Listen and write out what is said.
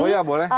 oh ya boleh